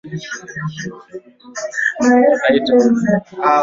Mguu wa nyanya.